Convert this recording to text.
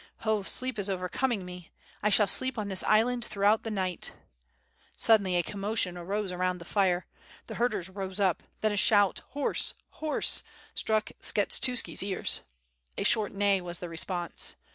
"Oh, sleep is overcoming me, 1 shall sleep on this island throughout the night/' Suddenly a commotion arose around the fire. The herders rose up. Then a sLout '*ilorse! Horse!" struck Skshetuski's ears. A short neigh was the response.